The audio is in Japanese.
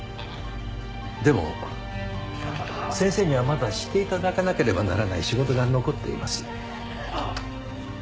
でも先生にはまだして頂かなければならない仕事が残っています。